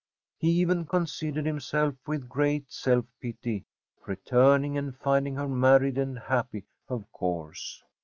He even considered himself, with great self pity, returning and finding her married and happy, of course.